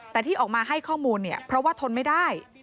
แต่ที่ออกมาให้ข้อมูลเนี่ยเพราะว่าทนไม่ได้